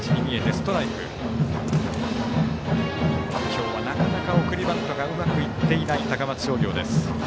今日はなかなか送りバントがうまくいっていない高松商業です。